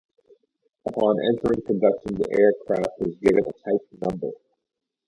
Upon entering production the aircraft was given a Type number.